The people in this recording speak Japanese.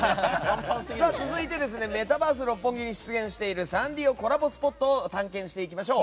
続いて、メタバース六本木に出現しているサンリオコラボスポットを探検していきましょう。